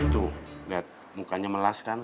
tuh lihat mukanya melas kan